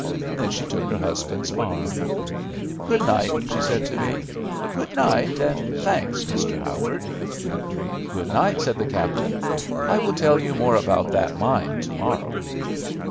Then she took her husband's arm. "Good night," she said to me; "good night, and thanks, Mr. Howard." "Good night," said the captain; "I will tell you more about that mine to morrow."